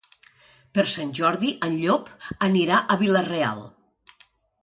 Per Sant Jordi en Llop anirà a Vila-real.